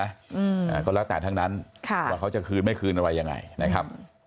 อ่าก็แล้วแต่ทั้งนั้นค่ะว่าเขาจะคืนไม่คืนอะไรยังไงนะครับ